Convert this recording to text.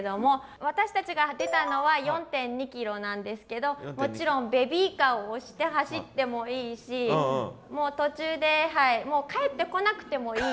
私たちが出たのは４．２キロなんですけどもちろんベビーカーを押して走ってもいいしもう途中で帰ってこなくてもいい。